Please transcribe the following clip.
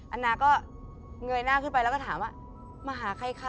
อันนาก็เงยหน้าขึ้นไปแล้วก็ถามว่ามาหาใครคะ